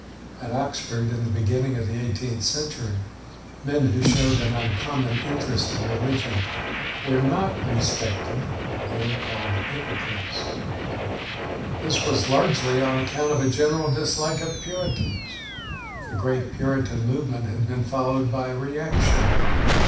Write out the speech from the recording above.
At Oxford, in the be ginning of the eighteenth century, men who showed an uncommon interest in re ligion were not respected. They were called hypocrites. WESLEY 301 This was largely on account of a general dislike of Puritans. The great Puritan movement had been followed by reaction.